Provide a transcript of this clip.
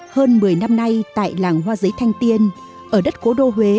hơn một mươi năm nay tại làng hoa giấy thanh tiên ở đất cố đô huế